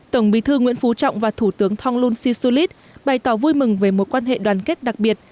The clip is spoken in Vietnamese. tổng bí thư nguyễn phú trọng và thủ tướng thong lun si sulit bày tỏ vui mừng về một quan hệ đoàn kết đặc biệt